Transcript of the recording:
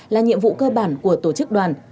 là nhiệm vụ cơ bản của tổ chức đoàn